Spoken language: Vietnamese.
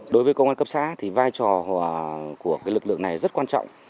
đối với công an cấp xã thì vai trò của lực lượng này rất quan trọng